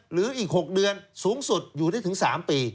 หรืออีก๖เดือนสูงสุดอยู่ได้ถึง๓ปี